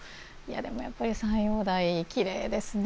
でも、やっぱり斎王代きれいですね。